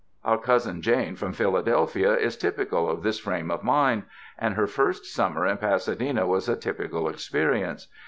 Our Cousin Jane from Philadelphia is typical of this frame of mind, and her first summer in Pasa dena was a typical experience.